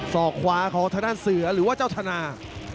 สอกขวาของธนลำเสือหรือว่าเจ้าธนา